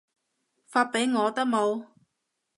發畀我得冇